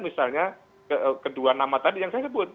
misalnya kedua nama tadi yang saya sebut